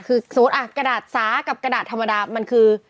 คือสมมุติกระดาษซ้ากับกระดาษธรรมดามันคือ